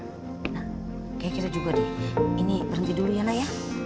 kayaknya kita juga nih ini berhenti dulu ya nak ya